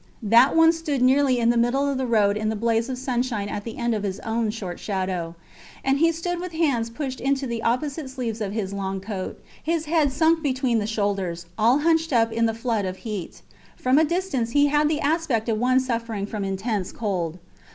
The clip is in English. That one stood nearly in the middle of the road in the blaze of sunshine at the end of his own short shadow. And he stood with hands pushed into the opposite sleeves of his long coat, his head sunk between the shoulders, all hunched up in the flood of heat. From a distance he had the aspect of one suffering from intense cold.